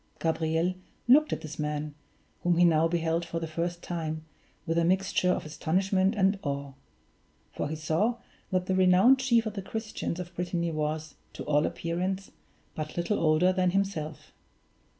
Gabriel looked at this man, whom he now beheld for the first time, with a mixture of astonishment and awe; for he saw that the renowned chief of the Christians of Brittany was, to all appearance, but little older than himself.